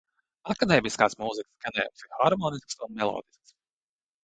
Akadēmiskās mūzikas skanējums ir harmonisks un melodisks.